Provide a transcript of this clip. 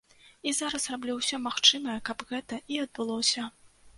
І зараз раблю ўсё магчымае, каб гэта і адбылося.